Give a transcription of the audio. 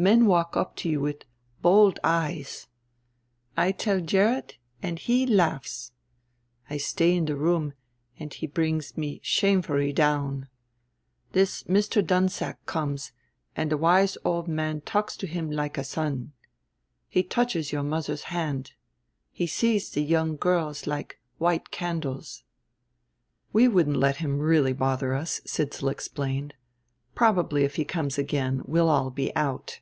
Men walk up to you with bold eyes. I tell Gerrit and he laughs. I stay in the room and he brings me shamefully down. This Mr. Dunsack comes and the wise old man talks to him like a son. He touches your mother's hand. He sees the young girls like white candles." "We wouldn't let him really bother us," Sidsall explained; "probably if he comes again we'll all be out."